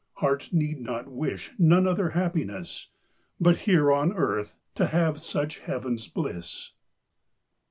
Hart need not wish none other happinesse, But here on earth to have such hevens blisse.